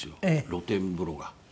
露天風呂が。